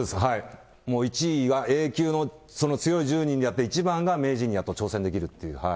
もう１位がＡ級のその強い１０人がやって、一番が名人に挑戦できるっていう。